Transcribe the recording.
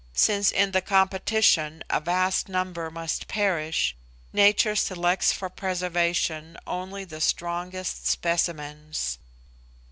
since in the competition a vast number must perish, nature selects for preservation only the strongest specimens.